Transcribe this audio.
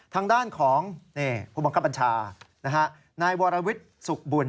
ทางด้านของผู้บังคับบัญชานายวรวิทย์สุขบุญ